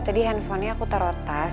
tadi handphonenya aku taro tas